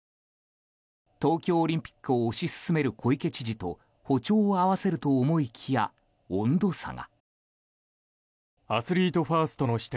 東京オリンピックを推し進める小池知事と歩調を合わせると思いきや温度差が。